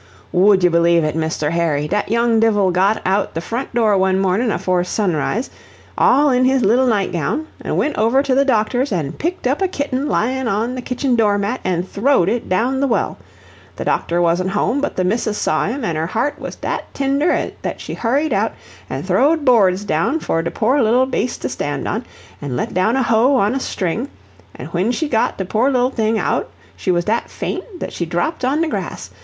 "Would ye belave it, Misther Harry, dhat young dhivil got out the front door one mornin' afore sunroise, all in his little noight gown, an' wint over to the doctor's an' picked up a kitten lyin' on the kitchen door mat, an' throwed it down dhe well. The docthor wasn't home, but the missis saw him, an' her heart was dhat tindher that she hurried out and throwed boords down for dhe poor little baste to stand on, an' let down a hoe on a sthring, an' whin she got dhe poor little dhing out, she was dhat faint that she dhrapped on dhe grass.